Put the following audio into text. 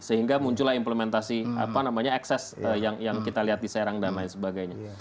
sehingga muncullah implementasi apa namanya ekses yang kita lihat di serang dan lain sebagainya